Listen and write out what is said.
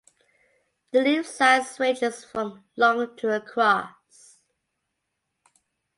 The leave size ranges from long to across.